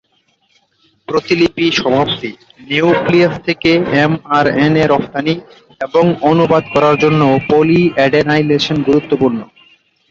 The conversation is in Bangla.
প্রতিলিপি সমাপ্তি, নিউক্লিয়াস থেকে এমআরএনএ রফতানি, এবং অনুবাদ করার জন্যও পলি-অ্যাডেনাইলেশন গুরুত্বপূর্ণ।